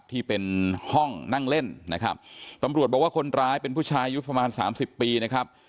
ที่เป็นห้องนั่งเล่นนะครับตำรวจบอกว่าคนร้ายเป็นผู้ชายอายุประมาณสามสิบปีนะครับ